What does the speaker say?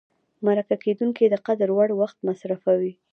مرکه کېدونکی د قدر وړ وخت مصرفوي.